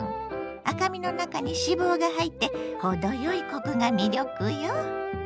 赤身の中に脂肪が入って程よいコクが魅力よ。